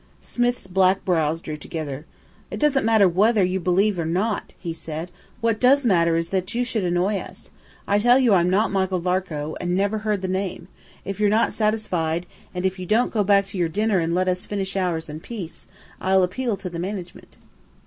Smith's black brows drew together. "It doesn't matter whether you believe or not," he said. "What does matter is that you should annoy us. I tell you I'm not Michael Varcoe, and never heard the name. If you're not satisfied, and if you don't go back to your dinner and let us finish ours in peace, I'll appeal to the management."